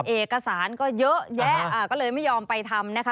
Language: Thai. เอกสารก็เยอะแยะก็เลยไม่ยอมไปทำนะคะ